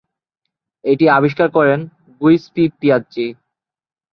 এটি আবিষ্কার করেন গুইস্পিপিয়াজ্জি।